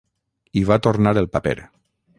I va tornar el paper.